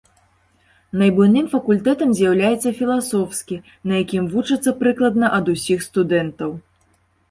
Найбуйным факультэтам з'яўляецца філасофскі, на якім вучацца прыкладна ад усіх студэнтаў.